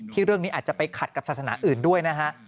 เรื่องนี้อาจจะไปขัดกับศาสนาอื่นด้วยนะฮะ